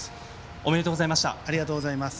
ありがとうございます。